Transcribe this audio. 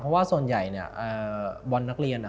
เพราะว่าส่วนใหญ่เนี่ยบอลนักเรียน